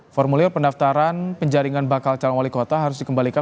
formulir pendaftaran penjaringan bakal calon wali kota harus dikembalikan